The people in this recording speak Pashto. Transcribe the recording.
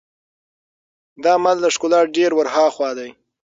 دا عمل له ښکلا ډېر ور هاخوا دی.